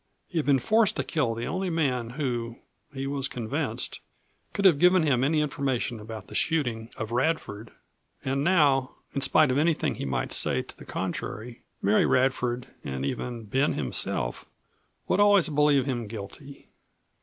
He had been forced to kill the only man who, he was convinced, could have given him any information about the shooting of Radford, and now, in spite of anything that he might say to the contrary, Mary Radford, and even Ben himself, would always believe him guilty.